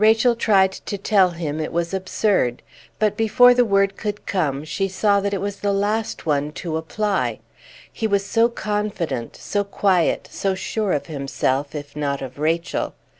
She tried to tell him it was absurd, but before the word could come she saw that it was the last one to apply; he was so confident, so quiet, so sure of himself, if not of Rachel.